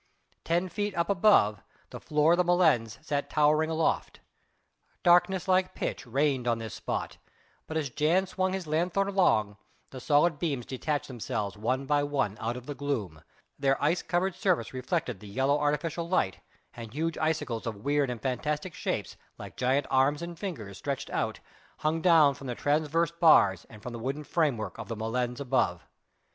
Ten feet up above, the floor of the molens sat towering aloft. Darkness like pitch reigned on this spot, but as Jan swung his lanthorn along, the solid beams detached themselves one by one out of the gloom, their ice covered surface reflected the yellow artificial light, and huge icicles of weird and fantastic shapes like giant arms and fingers stretched out hung down from the transverse bars and from the wooden framework of the molens above.